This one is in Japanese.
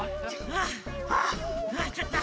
はあちょっと。